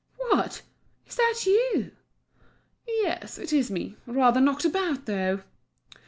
"What! Is that you?" "Yes, it's me, rather knocked about though."